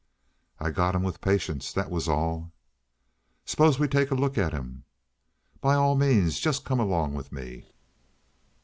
"I got him with patience. That was all." "S'pose we take a look at him?" "By all means. Just come along with me."